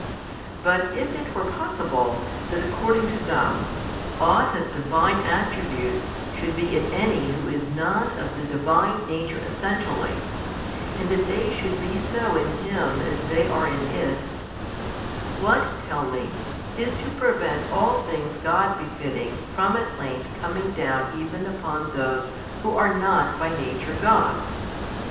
But if it were possible, that according to them, ought of Divine Attributes should be in any who is not of the Divine Nature Essentially, and that they should be so in him as they are in It; what (tell me) is to prevent all things God befitting from at length coming down even upon those who are not by nature gods?